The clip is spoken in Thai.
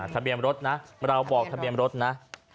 ทะเบียนรถนะเราบอกทะเบียนรถนะ